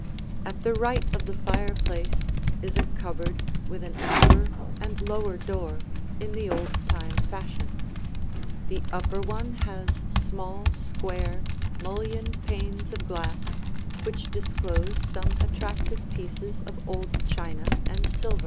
At the right of the fireplace is a cupboard with an upper and lower door, in the old time fashion; the upper one has small, square, mullioned panes of glass which disclose some attractive pieces of old china and silver.